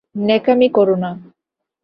ন্যাকামি কোরো না।